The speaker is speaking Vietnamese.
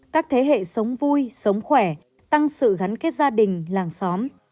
các thế hệ sống vui sống khỏe tăng sự gắn kết gia đình làng xóm